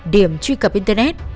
điểm truy cập internet